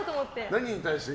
何に対して？